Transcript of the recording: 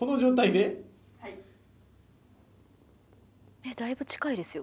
えっだいぶ近いですよ。